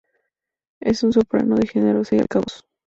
Es una soprano de generosa y rica voz.